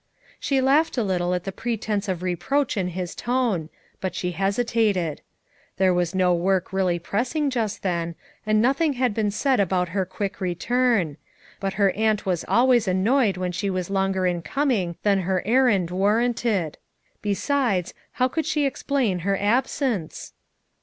She laughed a little at the pretense of re proach in his tone; but she hesitated. There 172 FOUE MOTHERS AT CHAUTAUQUA was no work really pressing just then, and nothing liacl been said about her quick return j but her aunt was always annoyed when she was longer in coming than her errand war ranted; besides, how could she explain her ab sence?